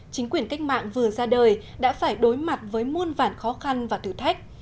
chính quyền cách mạng vừa ra đời đã phải đối mặt với muôn vản khó khăn và thử thách